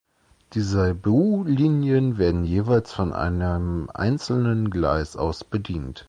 Die Seibu-Linien werden jeweils von einem einzelnen Gleis aus bedient.